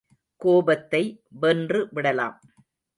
கோபத்தை வென்று விடலாம்.